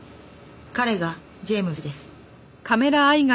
彼がジェームズです。